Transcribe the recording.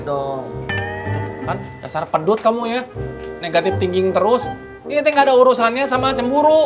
dong kan dasar pedut kamu ya negatif tinggi terus ini enggak ada urusannya sama cemburu